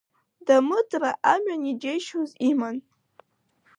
Дамытра амҩан иџьеишьоз иман.